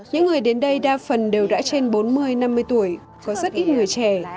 những người đến đây đa phần đều đã trên bốn mươi năm mươi tuổi có rất ít người trẻ